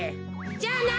じゃあな！